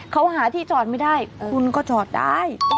เขาหาที่จอดไม่ได้คุณก็จอดได้